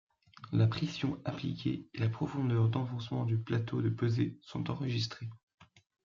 La pression appliquée et la profondeur d'enfoncement du plateau de pesée sont enregistrées.